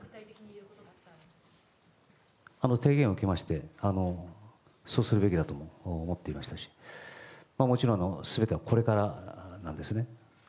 提言を受けましてそうするべきだと思ってましたしもちろん全てはこれからなんですね。